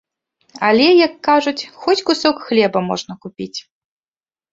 Але, як кажуць, хоць кусок хлеба можна купіць.